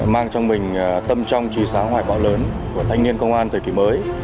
mang trong mình tâm trong trí sáng hoài bão lớn của thanh niên công an thời kỳ mới